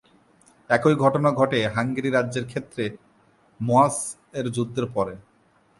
একই ঘটনা ঘটে হাঙ্গেরি রাজ্যের ক্ষেত্রে মোহাচস্ এর যুদ্ধের পরে।